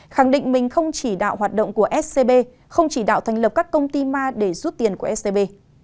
khẳng định mình không chỉ đạo hoạt động của scb không chỉ đạo thành lập các công ty ma để rút tiền của scb